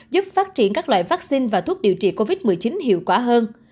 giúp phát triển các loại vaccine và thuốc điều trị covid một mươi chín hiệu quả hơn